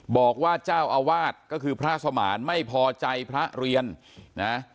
บอกว่าเจ้าอาวาสก็คือพระสมานไม่พอใจพระเรียนนะ